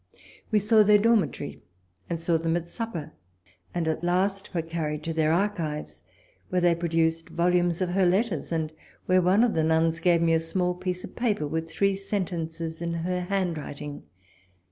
We saw their dormitory, and saw them at sup per ; and at last were carried to their archives, where they produced volumes of her letters, and where one of the nuns gave me a small piece of paper with three sentences in her handwriting.